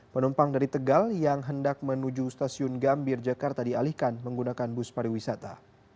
penumpang dari tegal yang hendak menuju stasiun gambir jakarta dialihkan menggunakan bus pariwisata